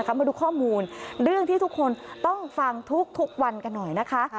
มาดูข้อมูลเรื่องที่ทุกคนต้องฟังทุกวันกันหน่อยนะคะ